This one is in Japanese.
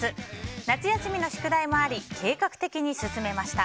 夏休みの宿題もあり計画的に進めました。